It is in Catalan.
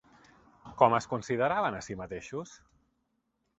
Com es consideraven a si mateixos?